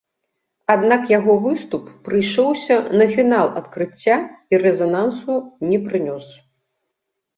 Аднак яго выступ прыйшоўся на фінал адкрыцця і рэзанансу не прынёс.